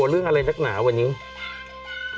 เรื่องยักษ์หนาวันนี้